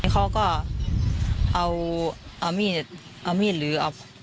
เขาก็เอาเอามีดเอามีดหรือ